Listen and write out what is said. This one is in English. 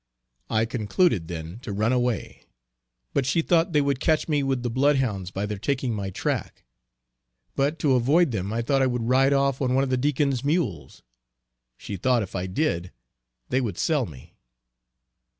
I concluded then to run away but she thought they would catch me with the blood hounds by their taking my track. But to avoid them I thought I would ride off on one of the Deacon's mules. She thought if I did, they would sell me.